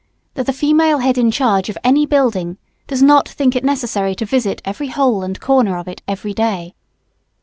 That the female head in charge of any building does not think it necessary to visit every hole and corner of it every day.